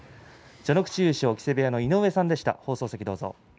序ノ口優勝木瀬の井上さんでした。